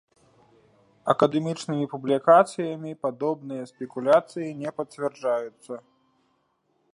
Акадэмічнымі публікацыямі падобныя спекуляцыі не пацвярджаюцца.